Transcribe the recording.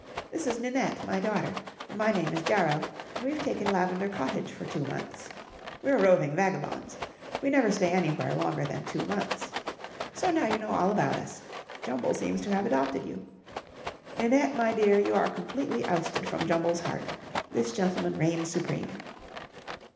This is Ninette, my daughter, and my name is Jarrow, and we've taken Lavender Cottage for two months. We're roving vagabonds. We never stay anywhere longer than two months. So now you know all about us. Jumble seems to have adopted you. Ninette, my dear, you are completely ousted from Jumble's heart. This gentleman reigns supreme."